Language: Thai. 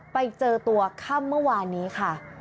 ไปเจอตัวค่ำเมื่อวานนี้ค่ะ